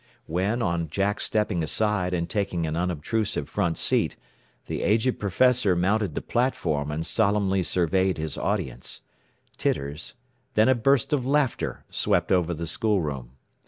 When, on Jack stepping aside and taking an unobtrusive front seat, the aged professor mounted the platform and solemnly surveyed his audience, titters, then a burst of laughter swept over the school room.